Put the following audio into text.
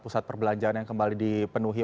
pusat perbelanjaan yang kembali dipenuhi